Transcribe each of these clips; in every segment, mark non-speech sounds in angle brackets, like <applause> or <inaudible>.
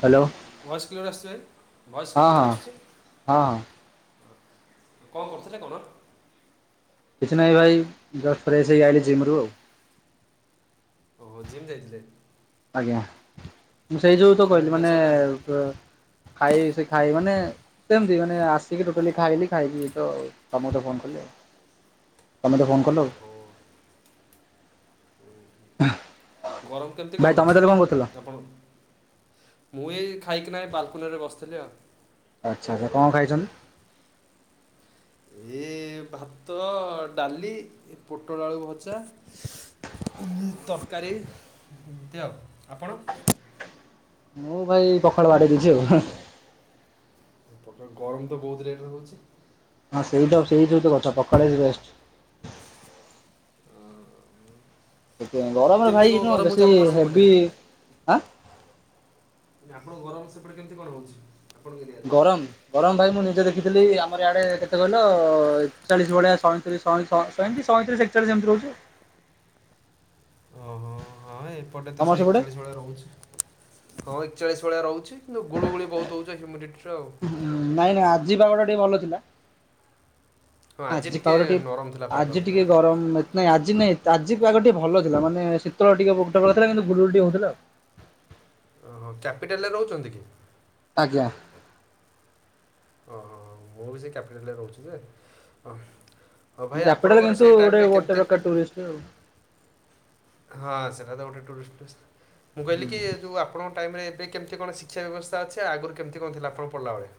Hello voice clear ଆସୁଛି ଭାଇ, ହଁ ଭଏସ ହଁ କ୍ଲିୟର ଆସୁଚି? ହଁ ହଁ କଣ କରୁଥିଲେ କଣ? କିଛି ନାାଇଁ ଭାଇ ଜଷ୍ଟ ଫ୍ରେଶ ହେଇ ଆଇଲି ଜିମ୍ ରୁ ଆଉ। ଓହୋ ଜିମ୍ ଯାଇଥିଲେ। ଆଜ୍ଞା। ମୁଁ ସେଇ ଯୋଗୁରୁ ତ ଖାଇବା କହିଲି ପିଇବା ମାନେ ସରିଲାଣି ପ-ଖାଇ ସେ ଖାଇ ମାନେ ସେମତି ମାନେ ଆସିକି ଟୋଟାଲି ଖାଇଲି ଖାଇକି ତ ତୋମକୁ ତ ଫୋନ କଲି ଆଉ। ତୋମେ ତେ ଫୋନ୍ କଲ। ଓହୋ ହୁଁ ହୁ। ଗରମ କେମିତି ଭାଇ କଣ ତମେ ହେଉଛି ତାହେଲେ କରୁଥିଲ? ଆପଣ ମୁଁ ଏଇ ଖାଇକିନାହିଁ ବାଲକୁନିରେ ବସିଥିଲି ଆଉ। ଆଚ୍ଛା ଆଛା କଣ ଖାଇଛ? ଏ ଭାତ ଡାଲି ପୋଟଳ ଆଳୁ ଭଜା ତରକାରୀ ଦିଅ ଆପଣ? ମୁଁ ଭାଇ ପଖାଳ ବାଡ଼ି ଦେଇଛି ଆଉ। ଖ ଗରମ ତ ବହୁତ ରେଟରେ ହହୁଛି। ହଁ ସେଇଟା ସେଇ ସବୁ ତ କଥା ପଖାଳ ବେଷ୍ଟ। ସେଥିାଇ ଗରମରେ କେମିତି ଭାଇ କ'ଣ ନୁ ଗରମ ହେଉଛି ବେଶୀ ଆପଣଙ୍କ ସେପଟେ ହେଭି ଆଁ ଆପଣ ଗରମ ସେପଟେ କେମିତି କଣ ହଉଛି? ଗରମ ଗରମ ଭାଇ ମୁଣିି ଦେଖିଥିଲି ଆମର ଇଆଡେ କେତେ କହିଲ ଏକଚାଳିଶ ଭଳିଆ ସଇଁତିରିଶହେ ସଇଁତିରିଶ ଏକଚାଳିଶ ଏମିତି ରହୁଛି। ଓହୋ। ହଁ ଏପଟେ ତ ତମର ସେ ସେପଟେ? ଏକଚାଳିଶ ବେଳେ ରହୁଛି ହଁ। ଚାଳିଶ ଭଳିଆ ରହୁଛି। କିନ୍ତୁ ଗୋଳୁ ଗୋଳି ବହୁତ ହଉଛ ହ୍ୟୁମିଡିଟିର ଆଉ। ଯିବା ଗଟା ଟିକେ ଭଲ ଥିଲା। ହଁ ଆଜି ପାଉରେ ଟିକେ ନରମ ଥିଲା ପାଗ ଆଜି ଟିକେ ଗରମ ନାଇଁ ଆଜି ନାଇଁ ଆଜି ଆଗ ଟିକେ ଭଲ ଥିଲା ମାନେ ଶୀତଳ ଟିକେ ବର ଥିଲା କିନ୍ତୁ ଗୁଡ଼ୁ ଟିକେ ହଉଥିଲା ଆଉ। ଓହୋ କ୍ୟାପିଟାଲରେ ରହୁଛନ୍ତି କି? ଆଜ୍ଞା। ଅ ମୁଁ ବି ସେ କ୍ୟାପିଟାଲରେ ରହୁଛି ଯେ ହଉ ଭାଇ କ୍ୟାପିଟାଲ ଆପଣଙ୍କର ସେ କିନ୍ତୁ ଗୋଟେ ଟାଇମରେ ଗୋଟେ କେମିତି ର ଟରିଷ୍ଟ ଆ ହଁ ସେିଲ ତ ଗୋଟେ ଟରିଷ୍ଟ। ମୁଁ କହିଲି କି ଯୋଉ ଆପଣଙ୍କ ଏବେ କେମତି କଣ ଶିକ୍ଷା ବ୍ୟବସ୍ ଅଛି ଆଗରୁ କେମତି କଣ ଥିଲା ଆପଣ ପଢିଲା ବଳେ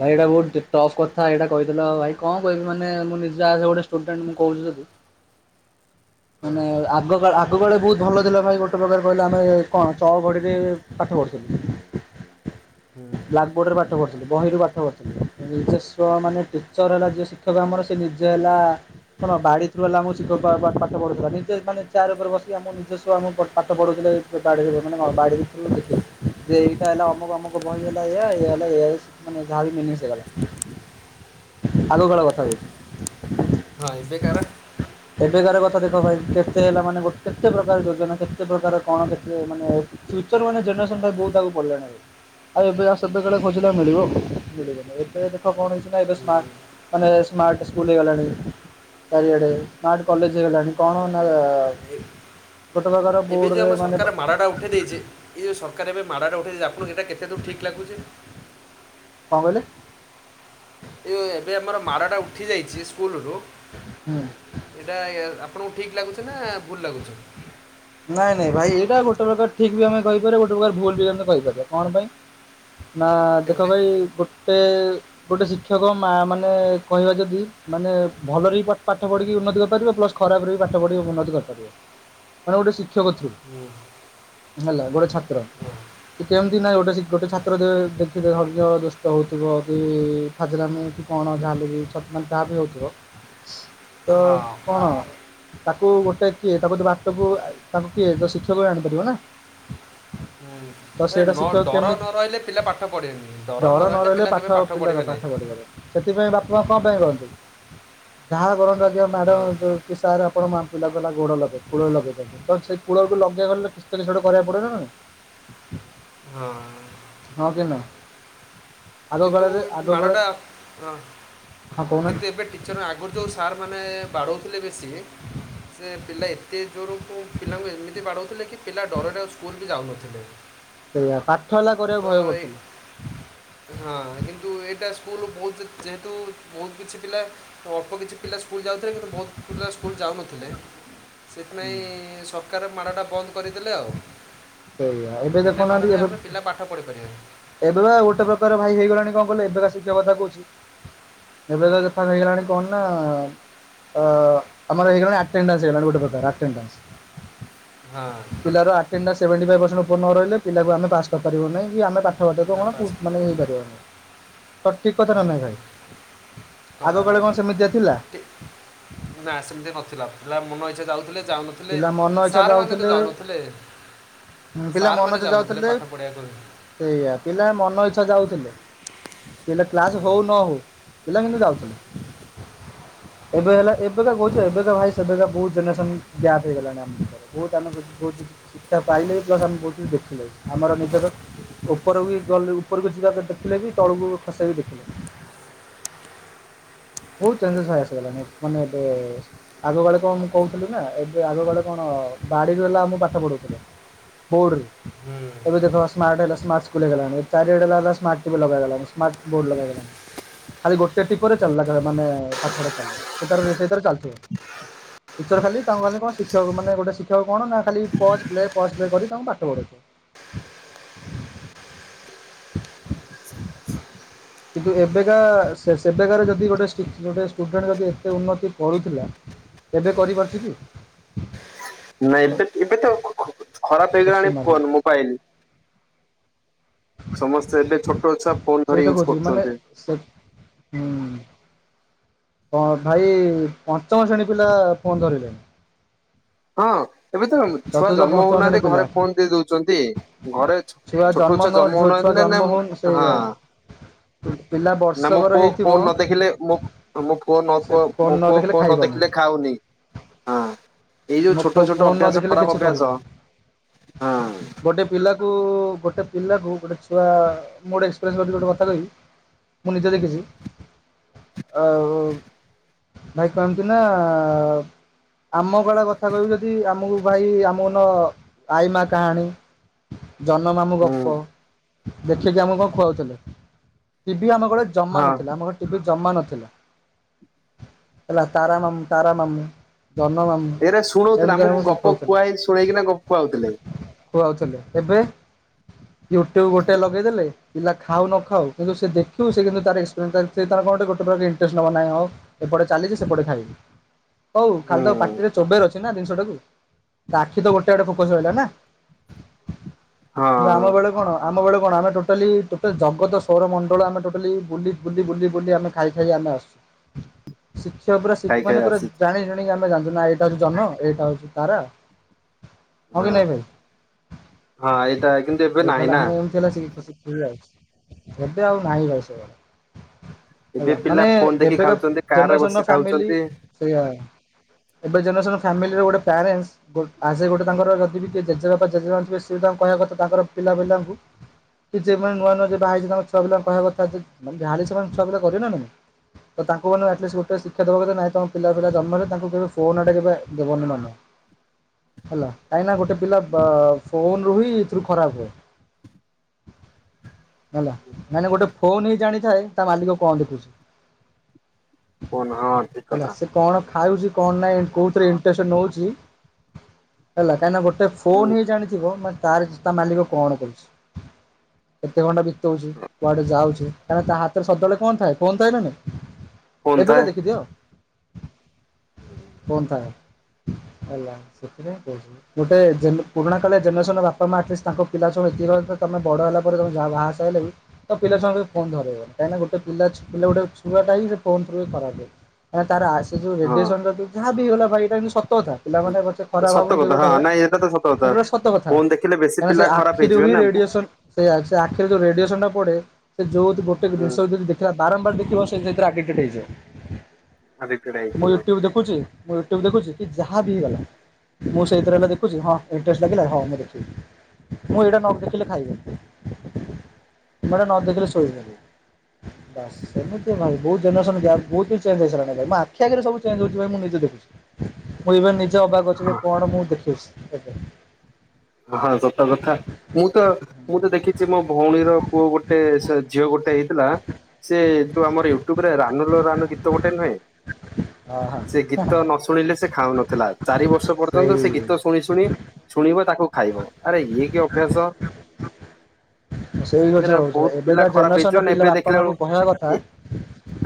ଭାଇ ଏଇଟା ବହୁତ ଟଫ୍ କଥା ଏଇଟା କହିଥିଲ ଭାଇ କଣ କହିବି ମାନେ ମୁଁ ନିଜେ ଆସ ଗୋଟେୁଡଣ୍ଟ ମୁଁ କହୁଛିୁ। ହଁ ମାନେ ଆଗଗକା ଆଗ ବଳେ ବହୁତ ଭଲ ଥିଲା ଭାଇ ଗୋଟେ ପ୍ରକାର କହିଲା ଆମେ କଣ ଚଘଡ଼ିରେ ପାଠ ପଢ଼ୁଥିଲୁ। ହୁଁ। ବ୍ଲକବୋର୍ଡର ବାାର୍ତ୍ତା ପଥିଲ। ବହିରୁ ପାଠ ପଢ଼ଥିଲଥିଲେ ନିଜସ୍ୱଵ ମାନେ ଟିଚର୍ ହେଲା ଯେ ଶିକ୍ଷକ ଆମର ସେ ନିଜ ହେଲା କଣ ବାଡ଼ି ରୁ ହେଲା ଆମ ଶିକ୍ଷକ ୁଥିଲା ନିଜେ ମାନେ ଚାର ଉପରେ ବସିକି ଆମ ନିଜସ୍ୱ ଆମ ପା ପଢୁଥିଲେ ମାନେ ବାଡ଼ିରେଥିଲ ଦେଖ ଯେ ଏଇଟା ହେଲା ଅମକ ଅମକ ବହି ହେଲା ହେଲାାନେ ଯାହା ବି ମିନି ହେଇଗଲା ଆଗ କାଳ କଥା ଅଛି। ହଁବୋର ଏବେକାରାର କ ଦେଖ ଦେଖ ଭାଇ କେତେ ହେଲା ମାନେ କେତେ ପ୍ରକାର ଯୋଜନା କେତେ ପ୍ରକାର କଣ କେତେ ମାନେ ଫ୍ୟୁଚର ମାନେ ଜେନେରେସନ୍ଟା ବହୁତ ଆଗକୁ ପଡ଼ିଲାଣି ଆଉ ଏବେ ଆଉ ସବବେଳେ ଖୋଜିଲା ମିଳିବ ମିଳିବନି ଏବେ ଦେଖ କଣ? ବେ ହୁଁ, ସ୍ମାର୍ ମାନେ ସ୍ମାର୍ଟ୍ ସ୍କୁଲ ହେଇଗଲାଣି ଚାରଆଡ ସ୍ମାର୍ଟ କଲେେଜ ଲାଣି କଣ ନା? ଏ- ଗୋଟେ ପ୍ରକାର ଏବେ ଯୋଉ ବୋର୍ଡରେ ଆମ ମାନେ ସରକାର କଣ ମାଡ଼ଟା ଉଠେଇ ଦେଇଚ୍ଛି ଏଇ ଯୋଉ ସକାର ଏବେ ମାଡ଼ଟା ଉଠାଇଛି ଆପଙ୍କୁ ଏଇଟା କେତେ ଦୂର ଠିକ୍ ଲାଗୁଛି। କହିଲେ? ଏଇ ଏବେ ଆମର ମାଡଟା ଉଠି ଯାଇଛି। କୁଲରୁ ହୁଁ ଏଇଟା ଆପଣଙ୍କୁ ଠିକ ଲାଗୁଛି ନା ଭୁଲ ଲାଗୁଛି? ନାଇଁ ନାଇଁ ଭାଇ ଏଇଟା ଗୋଟେ ପ୍ରକାର ଠିକ ବି ଆମେ କହିପାରିବା ଗୋଟେ ପ୍ରକାର ଭୁଲ ବି ଆମେ କହିପାରିବା କଣ ପାଇଁ ନା ଦେଖ କେମିତି ଭାଇ ଗୋଟେ ଗୋଟେ ଶିକ୍ଷକ ମା ମାନେ କହିବା ଯଦି ମାନେ ଭଲରେ ବି ପାଠ ପଢ଼ିକି ଉନ୍ନତି କରିପାରିବେ ପ୍ଲସ୍ ଖରାପରେ ବି ପାଠ ପଢ଼ିକି ଉନ୍ନତି କରିପାରିବେ। ମାନ ଗୋଟେ ଶିକ୍ଷକ ହୁଁ, ହେଲା ଗୋଟେ ଛାତ୍ର ହୁଁ, ହଁ ସେ କେମତି ନା ଗୋଟେ ଗୋଟେ ହୁଁ। ଛାତ୍ର ଦେ ଦେଖି ହ ସୁ ହଉଥିବ କି ଫାଜିଲ କି କଣ ଯାହା ଛତ ମ ଯହା ବି ହଉଥିବ। ତ କଣ? ତାକୁ ଗୋଟେ କିଏ ତାକୁ ସବୁ ତା କିଏ ତ ଶିକ୍ଷକ ଆଣିପାରିବ ନା। ହୁଁ ତ ଏ ସେଇଟା ନ ଶିକ୍ଷକ ଡର ନ କେମିତି ରହିଲେ ପିଲା ପାଠ ପଢିବେନି ଡର ନ ରହିଲେ ପିଲା କେବେ ପାଠ ପଢିବେନି। କଣ ପାଇଁ କରନ୍ତି ଯାହା କରନ୍ତୁ? ମାଡ଼ ହଁ ବି ସାର ଆ ମ ପିଲା <unintelligible> କୂଳ ଲଗେଇ ତ ସେଇ କୂଳକୁୁ ଲଗେଇବାକୁ ଗଲେ କିଛି କିଛି ଗୋଟେ କରିବାକୁ ପଡନାଇ ହଁ ହଁ କି ନା ଆଗ କିନ୍ତୁ କାଳେ ମାଡ଼ଟା ହଁ କହୁନାହାନ୍ତି କିନ୍ତୁ ଏବେ ଟିଚର୍ ଆଗରୁ ଯେଉଁ ସାର୍ ମାନେ ବାଡୋଉଥିଲେ ବେଶୀ ସେ ପିଲା ଏତେ ଜୋର ତୋ ପିଲାଙ୍କୁ ଏମିତି ବାଡୋଉ ଥିଲେ କି ପିଲା ଡରରେ ଆଉ ସ୍କୁଲ ବି ଯାଉନଥିଲେ। ସେଇଆା ପାଠ ହେଲା କରିବାକୁ ତ ଭୟ ଏ ହଁ କରୁଥିଲେ। କିନ୍ତୁ ଏଇଟା ସ୍କୁଲ ବହୁ ଯେହେତୁ ବହୁତ କିଛି ପିଲା ଅଳ୍ପ କିଛି ପିଲା। ସ୍କୁଲ ଯାଉଥିଲେ କିନ୍ତୁ ବହୁତ ପିଲା ସ୍କୁଲ ଯାଉନଥିଲେ ହୁଁ ସେଥିପାଇଁ କାରଣରୁ ମାଡ଼ଟା ବନ୍ଦ କରିଦେଲେ ଆଉ। ସେଇଆା ଏବେ ବିନା ଦେଖୁନାହାନ୍ତି ମାଡ଼ରେ ଏବେ ଆମେ ପିଲା ପାଠ ପଢ଼ିପାରିବେ ଏବେ ବା ଗୋଟେ ପ୍ରକାର ଭାଇ ହେଇଗଲା। କବେକା ଶଥା କକା ହେଇଗଲା କଣମଇଟେ ହଁ ଏ ସେଭେଣ୍ଟିାଇଭ ପରସେଣ୍୍ ଉପ ନ ରହିଲ ପିଲାକୁ ଆେ ପାସ୍ କରିପାରିବ ନାହି କି ଆମେ ତ ବିନା କଣ ପାଠ ମାନେ ହେଇପାରିବନ। ସଠିକ କଥା ନ ନାଇଁ ଭାଇ ଆଗ କଳେ ହଁ କଣ ସେମିତିଆ ଥିଲା। ଟି- ନା ସେମିତି ନଥିଲା ପିଲା ମନ ଇଛା ଯାଉଥିଲେ। ଯାଉନଥିଲେ ପିଲା ମନ ଇ୍ଛା ସାର୍ମାନେ ତ ଯାଉଥିଲେ ଯାଉନଥିଲେ ପିଲା ମନ ସାର୍ମାନେ ଇଛା ଯାଉନଥିଲେ ଯାଉଥିଲେ ପାଠ ପଢ଼ିବାକୁ ସେଇଆ ପିଲା ମନ ଇଚ୍ଛା । ଯାଉଥିଲେ। କ୍ଲାସ ହଉ ନ ହଉ ପିଲା କିନ୍ତୁ ଯାଉଛନ୍ତି ଏବେ ହେଲା ଏବେକା କହୁଛ ଏବେକା ଭାଇ ସେବେକା ବହୁତ ଜେନେରେସନ ଗ୍ୟାପ ହେଇଗଲାଣି ଆମ ପାଖରେ ବହୁତ ଆମେ ବହୁତ କିଛି ଶିକ୍ଷା ପାଇଲେ ବି ପ୍ଲସ ଆମେ ବହୁତ କିଛି ଦେଖିଲେ ବି ଆମର ନିଜର ଉପରକୁ ଗଲେ ଉପରକୁ ଯିବାକୁ ଦେଖିଲେ ବି ତଳକୁ ଖସେଇକି ଦେଖିଲୁ ବହୁତ ଚେଞ୍ଜେସ୍ ହୋଇ ଆସିଗଲାଣି ମାନେ ଏବେ ଆଗକାଳେ କଣ କହୁଥିଲୁ ନା ଏବେ ଆଗକାଳେ କଣ ବାଡ଼ିରୁ ହେଲା ମୁ ପାଠ ପଢୁଥିଲ ବୋର୍ଡରେ ଏବେ ଦେଖ ସ୍ମାର୍ଟ ହେଲା ସ୍ମାର୍ଟ ସ୍କୁଲ ହେଗଲାଣି ଏ ଚାରିଆଡେ ହେଲା ସ୍ମାର୍ଟ ଟିଭି ଲଗଲା। ଖାଲି ଗୋଟେ ଟିପିଲାନେ ପାଠା ଚାଲିଲା ସେଷେଇରେ ଚାଥିବର ଖାଲି ତା ଖା କଣ ଶିକ୍ଷକ ମାନେ ଗୋଟେ ଶିକ୍ଷକ କଣ ନା ଖା କରି ତାଙ୍କୁ ପାଠ ପଢୁ। କିନ୍ତୁ ଏବେକା ସେବେକାର ଯଦି ଗୋଟେ ଗୋଟେ ଷ୍ଟୁଡେଣ୍ଟ ଯଦି ଏତେ ଉନ୍ନତି କରୁଥିଲା ଏବେ କରିପାରୁଛି କି? ନାଁ ଏବେ ଏବେ ତ ଖରାପ କୋଶ୍ଚିନ୍ ହେଇଗଲାଣି ମାର୍କ ଅଛି ଫୋନ ମୋବାଇଲ। ସମସ୍ତେ ଏବେ ଛୋଟଛା ଫୋନ ସେଇ ଧରି ତ ୟୁଜ କହୁଛି ମାନେ କରୁଛନ୍ତି। ସେ ହୁଁ ଭାଇ ପଞ୍ଚମ ଶ୍ରେଣୀ ପିଲା ଫୋନ୍ ଧରିଲେଣିି। ହଁ ଏବେ ତ ଛୁଆ ଜନ୍ମ ପଞ୍ଚମ ଶ୍ରେଣୀ ହଉନାହାନ୍ତି ପିଲା ଘରେ ଫୋନ୍ ଦେଇ ଦଉଛନ୍ତି ଘରେ ଛୋ- ଛୁଆ ଛୋଟ ଜନ୍ମ ନହ ହଉନାହାନ୍ତି ଛୁଆ ନା ନା ଜନ୍ମ ମୁଁ- ହଉନି ହଁ ସେ ପିଲା ନା ମୋ ବର୍ଷକର ପୁଅ ଫୋନ ହେଇଥିବ। ନ ଦେଖିଲେ ମୋ ମୋ ପୁଅ ନ ସେ ପୁଅ ଫୋନ୍ ମୋ ପୁଅ ଦେଖିଲେ କୁଅ ନ ଖାଇବନି। ଦେଖିଲେ ଖାଉନି ହଁ। ଏଇ ଯୋଉ ଛୋଟ ଛୋଟ ଫୋନ ନ ଅଭ୍ୟାସ ଦେଖିଲେ ଖରାପ କିଛି ଅଭ୍ୟାସ କରିବ ହଁ ଗୋଟେ ପିଲାକୁ ଗୋଟେ ପିଲାକୁ ଗୋଟେ ଛୁଆ ମୋର ଏକ୍ସପିରିଏନ୍ସ କରିକି ଗୋଟେ କଥା କହିବି ମୁଁ ନିଜେ ଦେଖିଛି। ଆ ଭାଇ କମତି ନା ଆମ କୁଡା କଥା। କଥା କହୁ ଯଦି ଆମକୁ ଭାଇ ଆମ ନ ଆଇ ମା କାହାଣୀ। ଜନ ନାମ ଗପ ହୁଁ ଦେଖିକି ଆମକୁ କଣ ଖୁଆଉଥିଲେ? ଆମ ଗୋଟେ ଜମା ହଁ ନଥିଲା ଆମେ ଜମା ନଥିଲା ହେଲା ତାରା ନାମ ତାରା ନାମ ଧନ ମ ଶୁଣଉଥିଲା ଆମକୁ ଗପ କୁହା ଶୁଣେଇକିନା ଗ କୁହାଉଥିଲେ। ଖୁଆଉଥିଲେ ଏବେ ୟୁଟ୍ୟୁବ ଗୋଟେ ଲଗେଇଦେଲେ। ପିଲା ଖାଉ ନ ଖାଉ କିନ୍ତୁ ସେ ଦେଖିବୁ ସେ କିନ୍ତୁ ତାର ଏକ୍ସପିରିଏନ୍ସ ତ କଣ ଗୋଟେ ପ୍ରକାର ଇଣ୍ଟରେଷ୍ଟ ହେବ ନାହିଁ ହଉ ଏପଟେ ଚାଲିଛି ସେପଟେ ଖାଇବି। ହଉ ଖାଲି ତ ହଁ ପାଟିରେ ଚୋବେଆର ଅଛି। ନା ଜିନିଷଟାକୁ ଆଖି ତ ଗୋଟେ ଗୋଟେ ଫୋକସ ରହିଲା ନା। ଯେ ଆମ ବେଳେ କଣ ଆମ ବେଳେ। କଣ ଆମେ ଟୋଟାଲି ଟୋଟାଲି ଜଗତ ସୌରମଣ୍ଡଳ ଆମେ ଟୋଟାଲି ବୁଲି ବୁଲି ବୁଲି ଆମେ ଖାଇ ଖାଇ ଆମେ ଆସଛୁ। ଶିକ୍ଷକ ପୁରା ଖାଇ ଖାଇ ଶିକ୍ଷା ପୁରା ଆସିଛି ଜାଣି ଜାଣି। ଜାୁ ନା ଏଇା <unintelligible> ଜହ୍ନ ଏଇଟା ହଉଛି ତାରା। ହଁ କି ନାଇଁ ଭାଇ ହଁ ଏଇଟା କିନ୍ତୁ ଏବେ ସେଇ ନାହିଁ ଖହ ନା। ଆମେ ଏମତି ହେଲା ଖସି ଭୁଲାଉଛି ଏବେ ଆଉ ନାହିଁ ସେ ବେଳ। ଏବେ ହେଲା ପିଲା ମାନେ ଫୋନ ଦେଖି ଏବେକା ଖାଉଛନ୍ତି କାର ରେ ଜେନରେସନ ବସି ଫାମିଲ ଖାଉଛନ୍ତି ସେଇଆ। ଏବେ ଜେନେରେସନ। ଫ୍ୟାମିଲିର ଗୋଟେ ପ୍ୟାରେଣ୍ଟସ୍ ଆସେ ଗୋଟେ ତାର ଯଦି କିଏ ଜେପ ଜେ ଥିବ ସେ ବି ତାଙ୍କୁ କହିବା କଥା ତାରିଲ ପିଲାଙ୍କୁ କି ଯେ ମଁମାନେ ନୂଆ ନୂଆ ଯେ ବା ହେଇଛି ତାଙ୍କ ଛୁଆ ପିଲାଙ୍କୁ କହିବା କଥା ଯୋନ ଯା ହେଲେ ସେମାନେ ଛୁଆ ପିଲା କରିବେ ନେ ତ ତାଙ୍କୁ ମାନେ ଆଟଲିଷ୍ଟ ଗୋଟେ ଶିକ୍ଷା ଦେବା କଥା ନାଇଁ ତଙ୍କମ ପିଲା ପିଲା ଜନ୍ମ ହେଲେ ତାଙ୍କୁ କେବେ ଫୋନ ଆଟା କେବେ। ଦେବନୁମାନ ହେଲା କାହିଁକ ନାନା ଗୋଟେ ପିଲା ଫୋନରୁୁ ହ ଏଥିରୁ ଖରାପ ହୁଏ ହେଲା। ମାନେ ଗୋଟେ ଫୋନ ହିଁ ଜାଣିଥାଏ। ତା ମାଲିକ କଣ ଦେଖୁଛି? କନ ହଁ ଠିକ ହେଲା କଥା। ସେ କଣ ଖାଉଛି କଣ ନାଇଁ କେଉଁଥିରେ? ନଉଛି ହେଲା କାହିଁ ଗୋଟେ ଏ ହୁଁ ଫୋନ୍ ହିଁ ଜାଣିଥିବ ମାନେ ତାର ଚତା ମାଲିକ କଣ କରୁଛି କେତେ ଘଣ୍ଟା ଛ କଡେ ଯାଉଛେ? କାରଣ ତା ହାତରେ ସଦାବେଳେ କଣ ଥାଏ କଣ ଥାଏ ନା ନାଇ? ଫୋନ ଏବେକା ଥାଏ ଦେଖିଦିଅ କଫୋନ୍ ଥାଏ। ହେଲା ସେଥିପାଇଁ ବହୁଝ ଗୋ ପୁରୁଣା କାଳେ ଜେନେରେସନର ବାପା ମା ଆଟଲିଷ୍ଟ ତାଙ୍କ ପିଲା ସଙ୍ଗୁ ଏତିକି ତମେ ବଡ ହେଲା ପରେମେ ଯାହା ସା ହେଲେ ବି ତ ପିଲା ସଙ୍ଗ ବି ଫୋନ ଧରଇବନ କାହିଁକି ନା ଗୋଟେ ପିଲଛିଲା ଗୋଟେ ଛଆଟା ହିଁ ଫୋ ଥ୍ରୁ ହି ଖରାପୁଏ କାହିଁକି ତାର ସେ ଯୋଉ ହଁ ରେଡିଓସନାହା ବି ହେଲା। ଏଟା ସତ କଥା ପିଲାମାନେ ପଛେ ଖରାପ ସତ ହାବନି ଦୁଇ କଥା ଗୋଟ ହଁ ଭଏ ନାଇଁ ଏଇଟା ତ ସତ କଥା। ଗଟା ସତ କଥା ଫୋନ ଦେଖିଲେ ବେଶୀ କାଁ ସେ ପିଲା ଖରାପ ଆଖିରେ ହେଇଯିବେ ହିଁ ନା। ରେଡିଏସନ ଆରେ ଯୋଉ ରେଡିଏସନା ପଡେ ସେ ଯୋଉ ଗୋଟେ ହୁଁ ଜିନଷ ଯଦ ଦେଖିଲ ବାରମ୍ବାର କି ସେ ସେଇଥିରେ ଆଡିଟେଡ୍ ହେଇଯିବ। ଆଡିକ୍ଟେଡ ମୁଁ ହେଇଯିବ। ୟୁଟ୍ୟୁବ ଦେଖୁଛି। ମୁଁ ୟୁ୍ଟୁବ ଦେଖୁଛି। ଯାହା ବି ହେଇଗଲା ମୁଁ ସେଇଥିରେ ହେଲେ ଦେଖୁଛି ହଁ ଇଣ୍ଟରେଷ୍ଟ ଲାଗିଲା ହଁ ମୁ ଦେଖିବି ମୁଁ ଏଇଡ଼ା ନ ଦେଖିଲେ ଖାଇବିନି ମୁଁ ଏଡ଼ା ନ ଦେଖିଲେ ଶୋଇବ। ବାସ ସେମିତି ଭାଇ ବହୁତ ଜେନେରେସନ୍ ଗ୍ୟାପ୍ ବହୁତ ବି ଚେଞ୍ଜ ହେଇସରିଲାଣି ମୋ ଆଖି ଆଗରେ ସବୁ ଚେଞ୍ଜ ହଉଥିବାର ମୁଁ ନିଜେ ଦେଖିଛି। <unintelligible> ସେ ଅବାଗ ହଁ ଅଛି କଣ ମୁଁ ଦେଖିଅଛି। ଆଜ୍ଞା। ହଁ ସତ କଥା ମୁଁ ତ ମୁଁ ତ ଦେଖିଛି ମୋ ଭଉଣୀର ପୁଅ ଗୋଟେ ଝିଅ ଗୋଟେ ହେଇଥିଲା ସେ ଯୋଉ ଆମର ୟୁଟ୍ୟୁବରେ ରାନୁଲୋ ରାନୁ ଗୀତ ଗୋଟେ ନୁହେଁ ଅ ସେ ଗୀତ ହଁ ନ ଶୁଣିଲେ ସେ ଖାଉନଥିଲା ଚାରି ବର୍ଷ ପର୍ଯ୍ୟନ୍ତ ସେ ସେଇ ଗୀତ ଶୁଣି ଶୁଣି ଶୁଣି ଥିବ ତାକୁ ଖାଇବ ଆରେ ଇଏ କିଏ ଅଭ୍ୟାସ ସେଇ କଥା ଏରା ହଉଛ ବହୁତ ଏବେ ପିଲା ତା ଖରାପ ଜେନେରେସନ ହେଇଯିବ ର ନା ପିଲା ଏବେ ବାପା ଦେଖିଲା ବେଳୁ ମାଙ୍କୁ କହିବା କଥା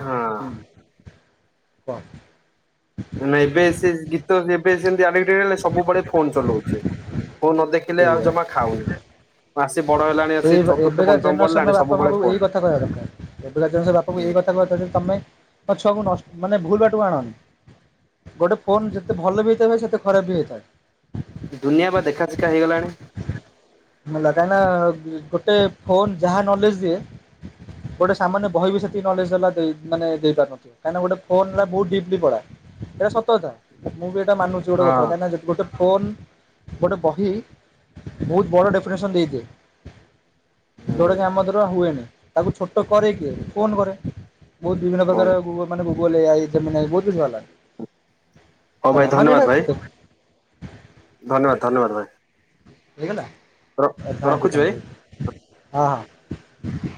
ହଁ <inaudible> ନାାଇଁ ଏବେ ସେ ଗୀତ ଏବେ ସେମତି ସବୁବେଳେ ଫୋନ ଚଲଉଛି। ବୋଉ ନ ଦେେଖିଲେ ଆଉ ସେଇଆ ଜମା ଖାଉନି। ବାସ ସେଇ ଏବେକା ଜେନେରେସନର ବାପା ସବୁବେଳେ ମାଆଙ୍କୁ ଫୋନ ଏଇ କଥା କହିବା ଦରକାର ଏବେଳିକା ଜେନେସନର ବାପାଙ୍କୁ ଏଇ କଥା କହିବା ଦରକାର ଯେ ତମେ ମ ଛୁଆଙ୍କୁ ନଷ୍ଟ ମାନେ ଭୁଲ ବାଟୁ ଆଣନି ଗୋଟେ ଫୋନ ଯେତେ ଭଲ ବି ହେଇଥାଏ ସେତେ ଖରାପ ବି ହେଇଥାଏ ଦୁନିଆ ବା ଦେଖା ଶେଖା ହେଇଗଲାଣି ହେଲା କାହିଁକିନା ଗୋଟେ ଫୋନ୍ ଯାହା ନଲେଜ ଦିଏ ଗୋଟେ ସାମାନ୍ୟ ବହି ବି ସେତିକି ନଲେଜ ଦେଲା ମାନେ ଦେଇପାରୁନଥିବ କାହିଁକିନା ଗୋଟେ ଫୋନଲା ବହୁତ ଡିପ୍ଲି ପଢ଼ା ଏଇଟା ସତ କଥା ମୁଁ ବି ମାନୁଛି ଗୋଟ ହଁ କଥା କାହିଁକିନା ଗୋଟେ ଫୋନ୍ ଗୋଟେ ବହି ବହୁତ ବଡ଼ ଡେଫିନେସନ୍ ଦେଇଥାିଏ ହୁଁ ଯଉଟାକି ଆମ ଦ୍ୱାରା ହୁଏନି ତାକୁ ଛୋଟ କରେ କିିଏ ଫୋନ୍ କରେ ବହୁତ ବିଭିନ୍ନ ପ୍ରକାର କୁହନ୍ତୁ ମାନେ ବ ଆଇ ଜମିିନ ଆ ବହୁଧୁଛି ଭଲା ହଉ <inaudible> ଭାଇ ଆଲା ମାନେ ଧନ୍ୟବାଦ ଭାଇ ଏଟା ଧନ୍ୟବାଦ ଧନ୍ୟବାଦ ଭାଇ ହେଇ ଗଲା ଥ୍ୟାଙ୍କୟୁ ରଖୁଛି ଭାଇ। ଥ୍ୟାଙ୍କୟୁ ହଁ ହଁ <inaudible>